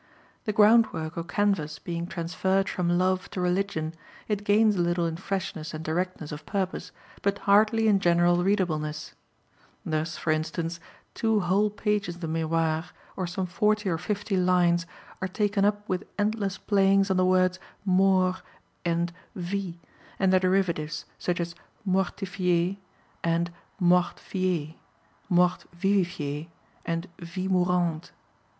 The groundwork or canvas being transferred from love to religion, it gains a little in freshness and directness of purpose, but hardly in general readableness. Thus, for instance, two whole pages of the Miroir, or some forty or fifty lines, are taken up with endless playings on the words mort and vie and their derivatives, such as mortifiez, and mort fiez, mort vivifiée and vie mourante.